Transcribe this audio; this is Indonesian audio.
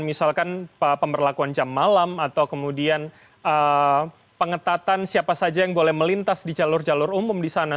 misalkan pemberlakuan jam malam atau kemudian pengetatan siapa saja yang boleh melintas di jalur jalur umum di sana